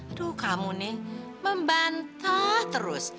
aduh kamu nih membantah terus